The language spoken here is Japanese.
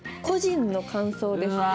「個人の感想です」。